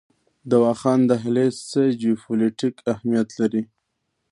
د واخان دهلیز څه جیوپولیټیک اهمیت لري؟